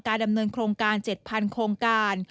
ดำเนินโครงการ๗๐๐โครงการ